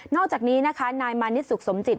อกจากนี้นะคะนายมานิดสุขสมจิต